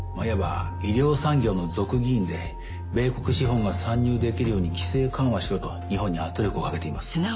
いわば医療産業の族議員で米国資本が参入できるように規制緩和しろと日本に圧力をかけています。